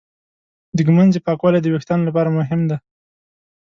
د ږمنځې پاکوالی د وېښتانو لپاره مهم دی.